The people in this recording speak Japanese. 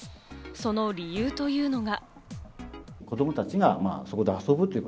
その理由というのが。